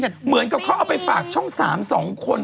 เหมือนกับเขาเอาไปฝากช่อง๓๒คน